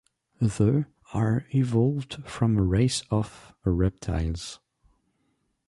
The are evolved from a race of a reptiles.